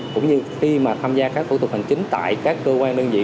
cũng như khi mà tham gia các thủ tục hành chính tại các cơ quan đơn vị